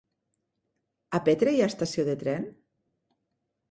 A Petra hi ha estació de tren?